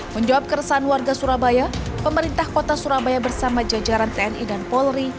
menjawab keresahan warga surabaya pemerintah kota surabaya bersama jajaran tni dan polri